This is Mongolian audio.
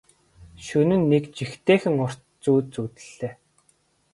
Шөнө нь нэг жигтэйхэн урт зүүд зүүдэллээ.